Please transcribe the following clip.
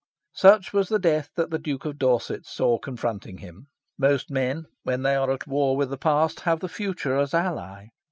Such was the death that the Duke of Dorset saw confronting him. Most men, when they are at war with the past, have the future as ally.